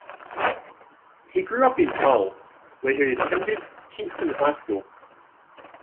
He grew up in Hull where he attended Kingston High School.